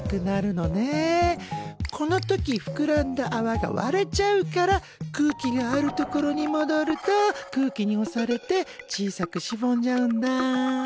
この時ふくらんだあわが割れちゃうから空気がある所にもどると空気におされて小さくしぼんじゃうんだ。